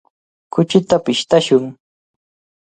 Kuchita pishtashun.